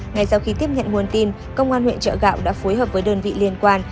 ngay sau khi tiếp nhận nguồn tin công an huyện chợ gạo đã phối hợp với đơn vị liên quan